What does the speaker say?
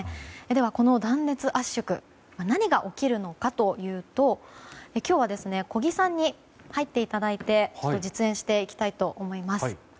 では、この断熱圧縮何が起きるのかというと今日は小木さんに入っていただいて実演していきたいと思います。